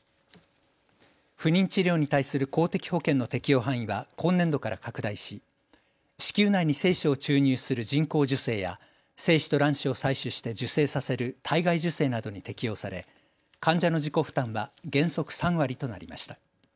不妊治療に対する公的保険の適用範囲は今年度から拡大し子宮内に精子を注入する人工授精や精子と卵子を採取して受精させる体外受精などに適用され患者の自己負担は原則３割となりました。